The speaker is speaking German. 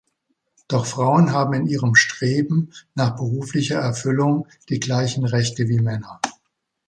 Doch Frauen haben in ihrem Streben nach beruflicher Erfüllung die gleichen Rechte wie Männer.